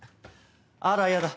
あらやだ